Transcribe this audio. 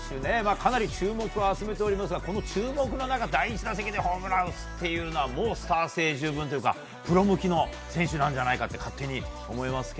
かなり注目を集めておりますがこの注目の中第１打席でホームランを打つのはもうスター性十分というかプロ向きの選手なんじゃないかと勝手に思いますが。